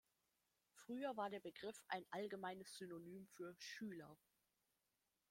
Früher war der Begriff ein allgemeines Synonym für "Schüler".